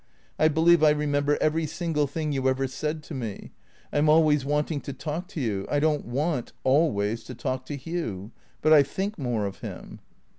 I believe I remember every single thing you ever said to me. I 'm always wanting to talk to you. I don't want — always — to talk to Hugh. But — I think more of him."